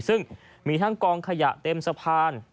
ซึ่งมีทั้งกองขยะเต็มสะพาน